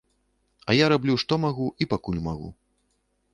А я раблю што магу і пакуль магу.